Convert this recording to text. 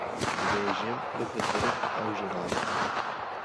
Dibêjim bifikirim, ew jî nabe.